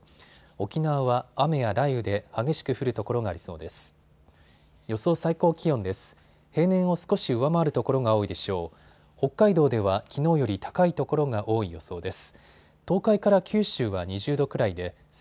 沖縄は雨や雷雨で激しく降る所がありそうです。